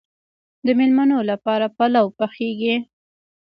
د میلمنو لپاره پلو پخیږي.